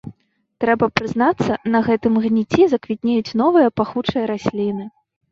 Трэба прызнацца, на гэтым гніцці заквітнеюць новыя пахучыя расліны.